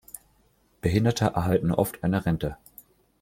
Behinderte erhalten oft eine Rente.